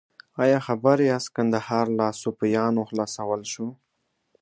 ایا خبر یاست کندهار له صفویانو خلاصول شو؟